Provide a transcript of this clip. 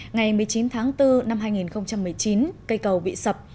ngày một mươi chín tháng bốn năm hai nghìn một mươi chín cây cầu bị sập